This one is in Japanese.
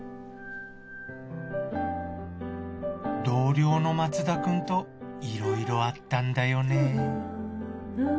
同僚の松田くんといろいろあったんだよね